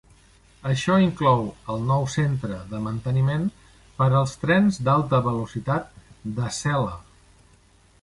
Això inclou el nou centre de manteniment per als trens d'alta velocitat d'Acela.